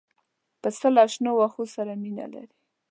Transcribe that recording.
پسه له شنو واښو سره مینه لري.